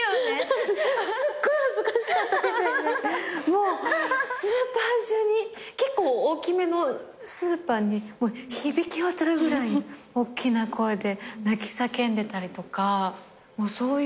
もうスーパー中に結構大きめのスーパーに響き渡るぐらいおっきな声で泣き叫んでたりとかそういう子でしたね。